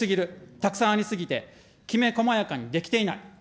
たくさんありすぎて、きめ細やかにできていない。